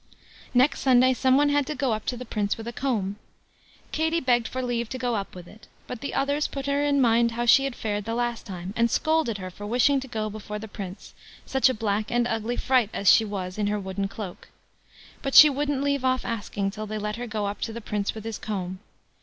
Next Sunday some one had to go up to the Prince with a comb. Katie begged for leave to go up with it, but the others put her in mind how she had fared the last time, and scolded her for wishing to go before the Prince—such a black and ugly fright as she was in her wooden cloak. But she wouldn't leave off asking till they let her go up to the Prince with his comb.